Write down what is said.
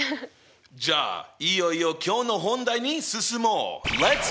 じゃあいよいよ今日の本題に進もう！